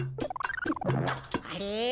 あれ？